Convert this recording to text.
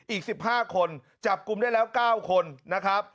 อีก๑๕คนจับกลุ่มได้แล้ว๙คนนะครับ